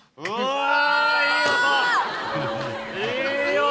うわ。